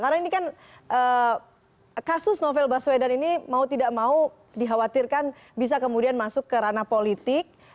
karena ini kan kasus novel baswedan ini mau tidak mau dikhawatirkan bisa kemudian masuk ke ranah politik